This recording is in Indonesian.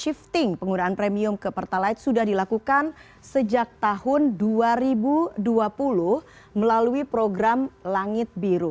shifting penggunaan premium ke pertalite sudah dilakukan sejak tahun dua ribu dua puluh melalui program langit biru